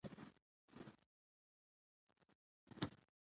په افغانستان کې د طبیعي زیرمې لپاره طبیعي شرایط پوره مناسب او برابر دي.